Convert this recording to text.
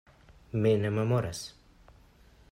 Mi ne memoras.